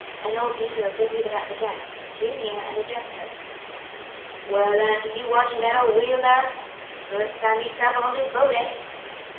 An old negro busied about the deck; drew near and addressed her: "Well, auntie, you watchin' dat ole wheel dar? Fust time you trable on dis boat, eh?"